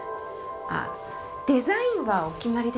デザインはお決まりですか？